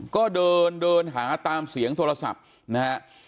ก็เดินเดินหาตามเสียงโทรศัพท์นะฮะ